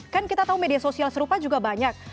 kan kita tahu media sosial serupa juga banyak